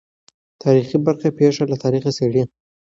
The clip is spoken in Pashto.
تاریخي برخه پېښه له تاریخه څېړي.